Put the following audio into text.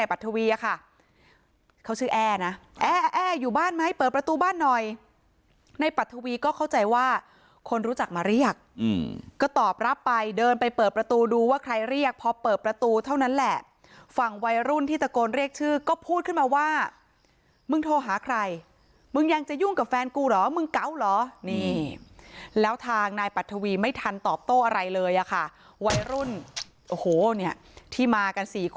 อะไรเลยอ่ะค่ะวัยรุ่นโอ้โหเนี้ยที่มากันสี่คนเนี้ยนะคะ